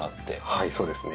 はいそうですね。